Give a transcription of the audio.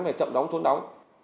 về chậm đóng trốn đóng